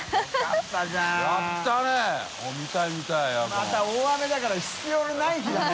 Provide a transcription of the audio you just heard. また大雨だから必要のない日だね。